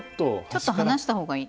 ちょっと離した方がいい？